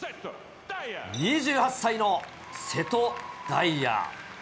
２８歳の瀬戸大也。